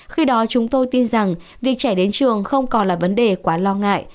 khi đó chúng tôi tin rằng việc trẻ đến trường không còn là vấn đề quá lo ngại